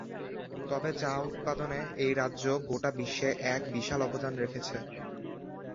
তবে, চা উৎপাদনে এই রাজ্য গোটা বিশ্বে এক বিশাল অবদান রেখেছে।